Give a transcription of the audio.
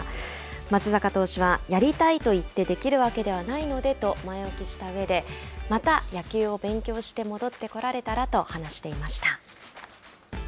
松坂投手は、やりたいと言ってできるわけではないのでと前置きしたうえでまた野球を勉強して戻ってこられたらと話していました。